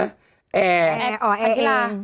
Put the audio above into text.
แอร์อ๋อแอร์อีง